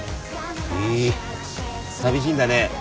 へぇー寂しいんだね。